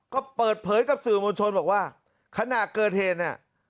ก็เปิดเผยกับสื่อมวลชนบอกว่าขณะเกิดเหตุเนี่ย